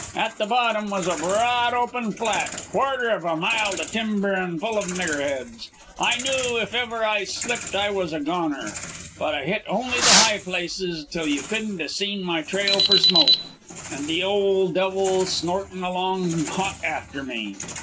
At the bottom was a broad, open flat, quarter of a mile to timber and full of niggerheads. I knew if ever I slipped I was a goner, but I hit only the high places till you couldn't a seen my trail for smoke. And the old devil snortin' along hot after me.